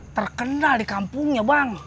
terkenal di kampungnya bang